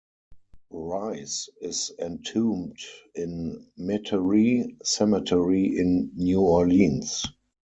Rice is entombed in Metairie Cemetery in New Orleans.